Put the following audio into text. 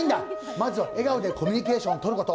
まずは笑顔でコミュニケーションを取ること。